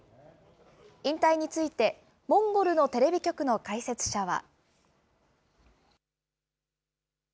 引退について、モンゴルのテレビ局の解説者は。